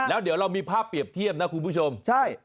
แล้วเดี๋ยวเรามีภาพเปรียบเทียบนะคุณผู้ชมใช่